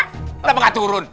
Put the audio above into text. kenapa gak turun